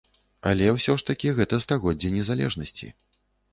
Але, усё ж такі, гэта стагоддзе незалежнасці.